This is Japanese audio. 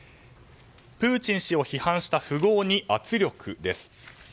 プーチン氏を批判した富豪に圧力です。